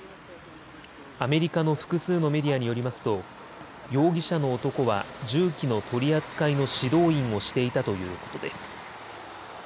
アメリカの複数のメディアによりますと容疑者の男は銃器の取り扱いの指導員をしていたということです。